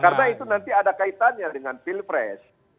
karena itu nanti ada kaitannya dengan pilpres